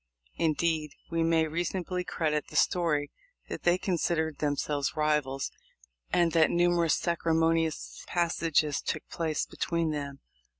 Indeed, we may reasonably credit the story that they com sidered themselves rivals, and that numerous sacri* monious passages took place between them.